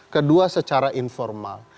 kedua secara informal